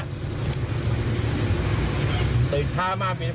แต่หรือถ้ามีคนมาถามผมผมบอกผมไม่รู้